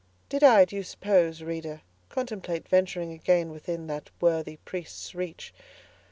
Did I, do you suppose, reader, contemplate venturing again within that worthy priest's reach?